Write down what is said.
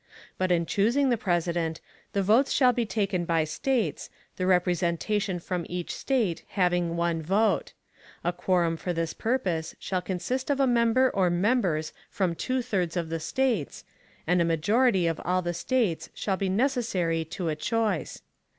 But in chusing the President, the Votes shall be taken by States, the Representation from each State having one Vote; a Quorum for this Purpose shall consist of a Member or Members from two thirds of the States, and a Majority of all the States shall be necessary to a Choice.